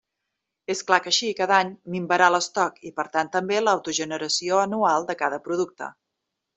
És clar que així, cada any, minvarà l'estoc, i per tant també l'autogeneració anual de cada producte.